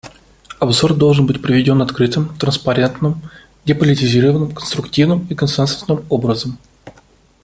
Обзор должен быть проведен открытым, транспарентным, деполитизированным, конструктивным и консенсусным образом.